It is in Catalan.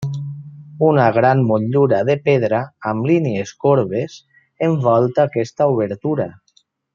Una gran motllura de pedra amb línies corbes envolta aquesta obertura.